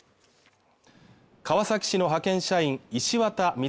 川崎市の派遣社員石渡道歳